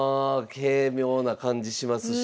軽妙な感じしますし。